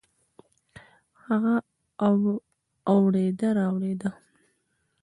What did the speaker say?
هغه اوړېده رااوړېده.